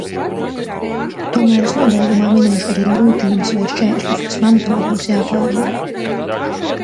Tomēr es nobeigumā minēšu arī grūtības vai šķēršļus, kas, manuprāt, mums jāpārvar.